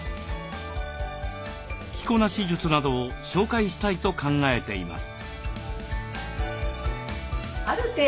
着こなし術などを紹介したいと考えています。